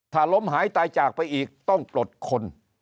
ถ้าล้มหายตายจากไปอีกต้องปลดคน